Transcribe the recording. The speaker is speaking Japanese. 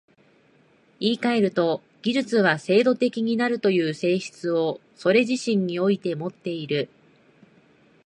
言い換えると、技術は制度的になるという性質をそれ自身においてもっている。